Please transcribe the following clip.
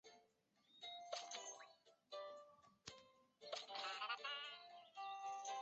稚内机场一个位于日本北海道稚内市的民用机场。